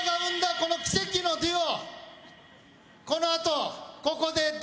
この奇跡のデュオ。